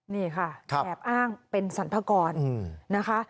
นี่ค่ะแอบอ้างเป็นสรรพากรนะคะ